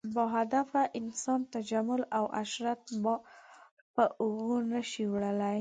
باهدفه انسان تجمل او عشرت بار په اوږو نه شي وړلی.